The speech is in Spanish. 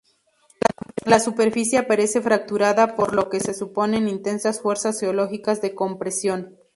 La superficie aparece fracturada por lo que se suponen intensas fuerzas geológicas de compresión.